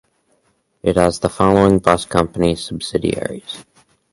It has the following bus company subsidiaries.